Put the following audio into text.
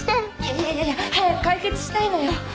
いやいやいや早く解決したいのよ